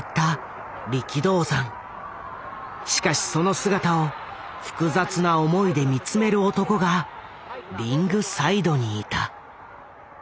しかしその姿を複雑な思いで見つめる男がリングサイドにいた。